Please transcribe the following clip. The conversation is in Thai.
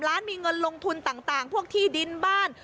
ล้านมีเงินลงทุนต่างพวกที่ดินบ้าน